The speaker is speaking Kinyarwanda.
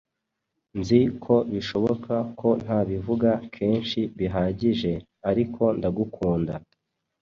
Nzi ko bishoboka ko ntabivuga kenshi bihagije, ariko ndagukunda.